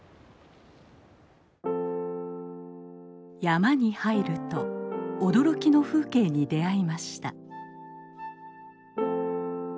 山に入ると驚きの風景に出会いました。